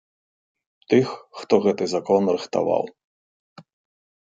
Тых, хто гэты закон рыхтаваў.